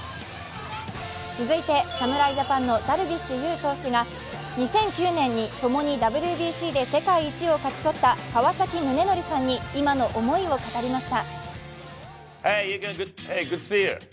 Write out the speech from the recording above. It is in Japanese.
続いて、侍ジャパンのダルビッシュ有選手が２００９年にともにＷＢＣで世界一を勝ち取った川崎宗則さんに今の思いを語りました。